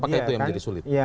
apakah itu yang menjadi sulit